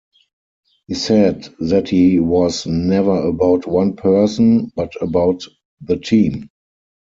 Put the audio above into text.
He said that he was never about one person, but about the team.